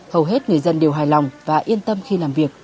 hầu hết người dân đều hài lòng và yên tâm khi làm việc